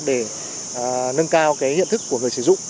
để nâng cao hiện thức của người sử dụng